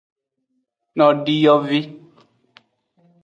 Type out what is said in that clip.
Nodiyovi.